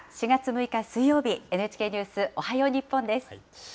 ４月６日水曜日、ＮＨＫニュースおはよう日本です。